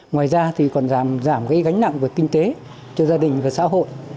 ngoài ra thì còn giảm gánh nặng về kinh tế cho gia đình và xã hội